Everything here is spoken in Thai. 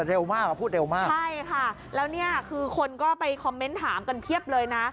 เร็วมากพูดเร็วมากใช่ค่ะแล้วเนี่ยคือคนก็ไปคอมเมนต์ถามกันเพียบเลยนะ